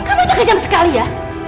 kamu itu kejam sekali ya